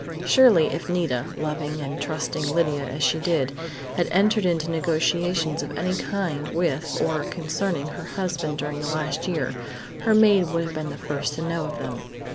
Surely if Nita, loving and trusting Lydia as she did, had entered into negotiations of any kind with or concerning her husband during the last year, her maid would have been the first to know of them.